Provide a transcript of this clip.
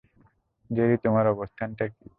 Jerry, তোমার অবস্থানটা কী?